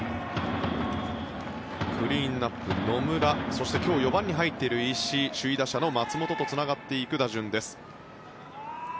クリーンアップ、野村そして今日４番に入っている石井首位打者の松本とつながっていく打順です。